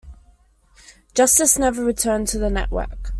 Justice never returned to the network.